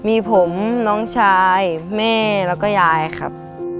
มีผมน้องชายแม่แล้วก็ยายครับ